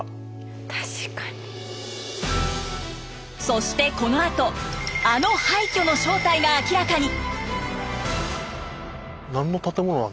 そしてこのあとあの廃虚の正体が明らかに。